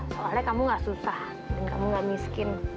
soalnya kamu nggak susah dan kamu nggak miskin